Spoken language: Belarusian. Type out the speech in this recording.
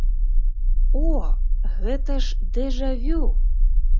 О, гэта ж дэжа-вю!